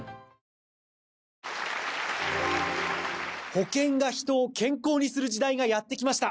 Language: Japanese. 保険が人を健康にする時代がやってきました！